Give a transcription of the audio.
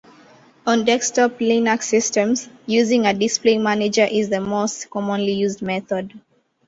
On desktop Linux systems, using a display manager is the most commonly used method.